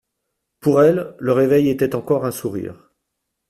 Pour elle, le réveil était encore un sourire.